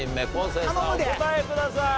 生さんお答えください。